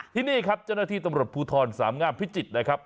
ที่นี่ครับเจ้าหน้าที่ตำรวจภูทรสามงามพิจิตรนะครับ